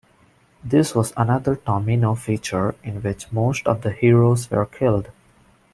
This was another Tomino feature in which most of the heroes were killed.